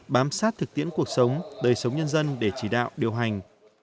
bám sát thực tiễn cuộc sống đời sống nhân dân để chỉ đạo điều hành